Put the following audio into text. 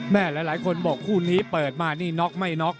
หลายคนบอกคู่นี้เปิดมานี่น็อกไม่น็อก